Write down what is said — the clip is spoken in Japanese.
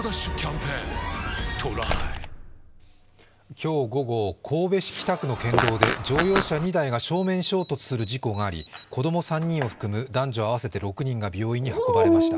今日午後、神戸市北区の県道で乗用車２台が正面衝突する事故があり子供３人を含む男女合わせて６人が病院に運ばれました。